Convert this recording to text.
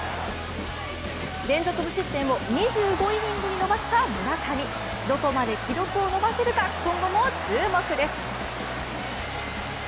連続無失点を２５イニングに伸ばした村上、どこまで記録を伸ばせるか今後も注目です。